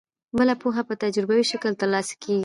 بله پوهه په تجربوي شکل ترلاسه کیږي.